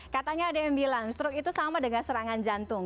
katanya ada yang bilang struk itu sama dengan serangan jantung